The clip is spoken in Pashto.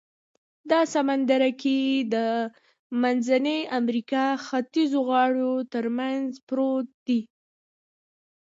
دا سمندرګي د منځنۍ امریکا ختیځو غاړو تر منځ پروت دی.